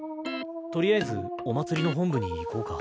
とりあえずお祭りの本部に行こうか。